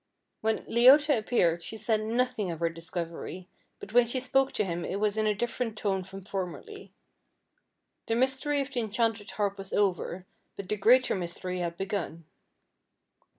When Leota appeared she said nothing of her discovery, but when she spoke to him it was in a different tone from formerly. The mystery of the enchanted harp was over, but the greater mystery had begun.